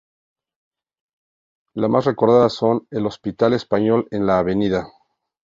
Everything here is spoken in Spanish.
Las más recordadas son el Hospital Español en la Av.